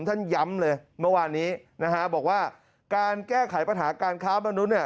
ท่านย้ำเลยเมื่อวานนี้นะฮะบอกว่าการแก้ไขปัญหาการค้ามนุษย์เนี่ย